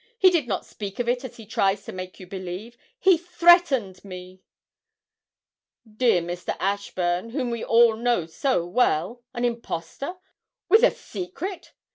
'He did not speak of it as he tries to make you believe ... he threatened me!' 'Dear Mr. Ashburn, whom we all know so well, an impostor with a secret!